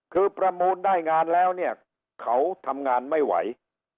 คือประมูลได้งานแล้วเนี่ยเขาทำงานไม่ไหว